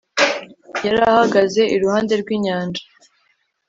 yari ahagaze iruhande rw'inyanja